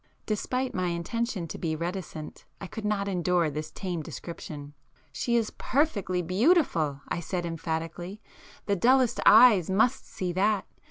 Despite my intention to be reticent, I could not endure this tame description. "She is perfectly beautiful,"—I said emphatically. "The dullest eyes must see that.